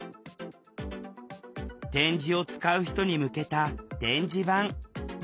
点字を使う人に向けた「点字版」。